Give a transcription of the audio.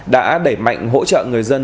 đã đẩy mạnh hỗ trợ người dân